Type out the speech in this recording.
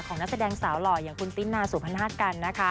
นักแสดงสาวหล่ออย่างคุณติ๊นาสุพนาศกันนะคะ